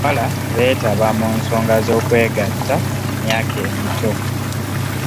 Abawala beetaba mu nsonga z'okwegatta ku myaka emito.